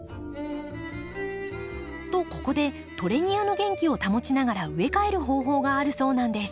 とここでトレニアの元気を保ちながら植え替える方法があるそうなんです。